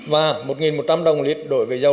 và một một trăm linh đồng lít đối với dầu